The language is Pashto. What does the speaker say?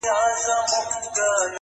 • نه به سر ته وي امان د غریبانو,